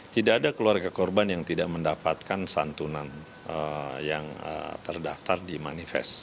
tidak ada keluarga korban yang tidak mendapatkan santunan yang terdaftar di manifest